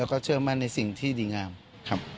ก็เชิญมาในสิ่งที่ดีงามครับ